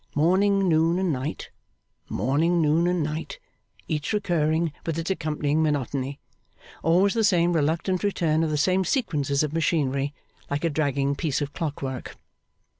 Morning, noon, and night, morning, noon, and night, each recurring with its accompanying monotony, always the same reluctant return of the same sequences of machinery, like a dragging piece of clockwork.